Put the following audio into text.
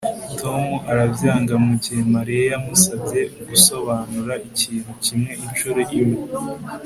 tom arabyanga mugihe mariya yamusabye gusobanura ikintu kimwe inshuro imwe